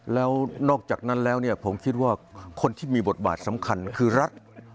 แล้วนอกจากนั้นแล้วเนี่ยผมคิดว่าคนที่มีบทบาทสำคัญคือรัก